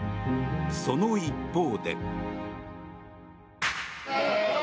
その一方で。